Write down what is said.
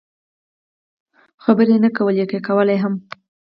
خبرې یې نه کولې، که یې کولای هم.